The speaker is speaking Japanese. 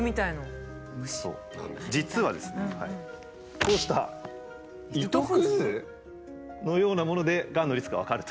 実はですねこうした糸くずのようなものでがんのリスクが分かると。